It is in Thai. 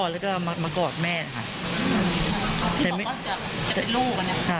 แล้วก็มากอดแม่ค่ะ